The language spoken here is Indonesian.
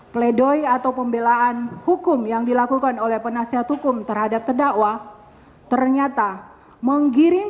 pledoi atau pembelaan hukum yang dilakukan oleh penasihat hukum terhadap terdakwa ternyata menggiring